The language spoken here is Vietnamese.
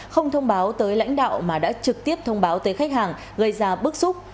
không thông báo tới lãnh đạo mà đã trực tiếp thông báo tới khách hàng gây ra bức xúc